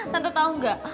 tante tau gak